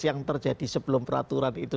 yang terjadi sebelum peraturan itu